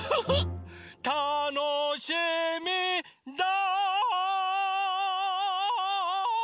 たのしみだ！